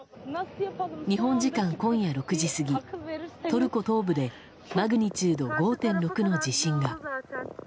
日本時間今夜６時過ぎトルコ東部でマグニチュード５．６の地震が。